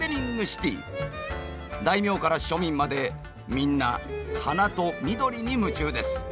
大名から庶民までみんな花と緑に夢中です。